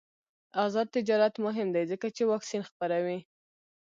آزاد تجارت مهم دی ځکه چې واکسین خپروي.